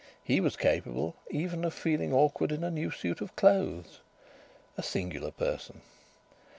He was capable even of feeling awkward in a new suit of clothes. A singular person.